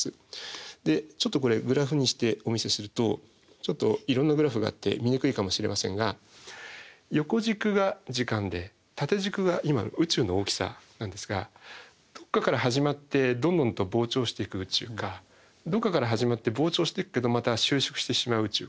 ちょっとこれグラフにしてお見せするとちょっといろんなグラフがあって見にくいかもしれませんが横軸が時間で縦軸が今の宇宙の大きさなんですがどっかから始まってどんどんと膨張していく宇宙かどっかから始まって膨張していくけどまた収縮してしまう宇宙か。